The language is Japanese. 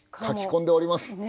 描き込んでおります。